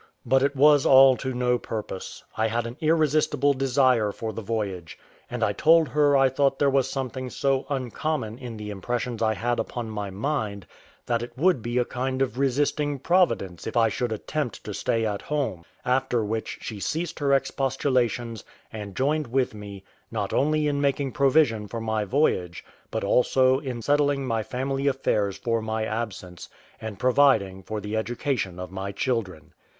But it was all to no purpose, I had an irresistible desire for the voyage; and I told her I thought there was something so uncommon in the impressions I had upon my mind, that it would be a kind of resisting Providence if I should attempt to stay at home; after which she ceased her expostulations, and joined with me, not only in making provision for my voyage, but also in settling my family affairs for my absence, and providing for the education of my children.